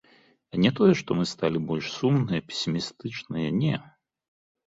Не тое, што мы сталі больш сумныя песімістычныя, не.